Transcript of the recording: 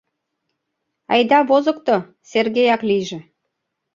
— Айда возыкто, Сергеяк лийже!